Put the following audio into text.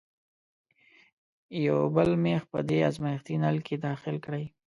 یو بل میخ په دې ازمیښتي نل کې داخل کړئ.